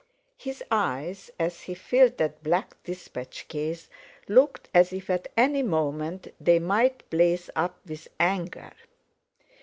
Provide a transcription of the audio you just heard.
His eyes, as he filled that black despatch case, looked as if at any moment they might blaze up with anger.